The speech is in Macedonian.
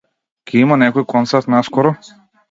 Ќе има некој концерт наскоро?